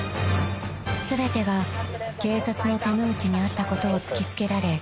［全てが警察の手の内にあったことを突き付けられ